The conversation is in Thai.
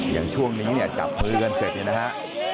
อย่างช่วงนี้จับมือกันเสร็จนะครับ